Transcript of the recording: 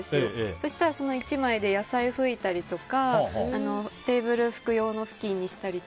そうしたら、その１枚で野菜を拭いたりとかテーブルを拭く用のふきんにしたり。